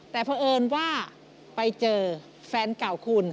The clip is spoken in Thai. แต่เพราะเอิญว่าไปเจอแฟนเก่าคุณ